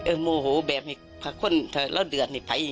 เอื้อโมโหแบบนี้พระคนถ้าเราเดินไป๒๐๑๒